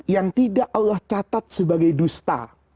yang tidak allah catat sebagai dusta